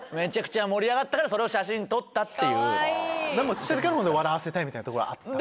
小っちゃい時から笑わせたいみたいなとこがあった。